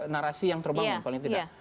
narasi yang terbangun paling tidak